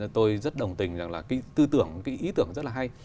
tôi rất đồng tình rằng là cái tư tưởng cái ý tưởng rất là hay